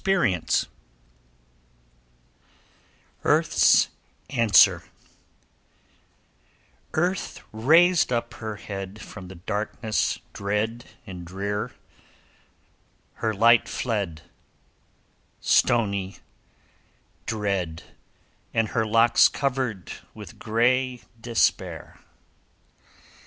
EARTH'S ANSWER Earth raised up her head From the darkness dread and drear, Her light fled, Stony, dread, And her locks covered with grey despair.